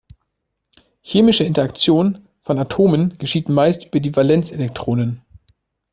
Chemische Interaktion von Atomen geschieht meist über die Valenzelektronen.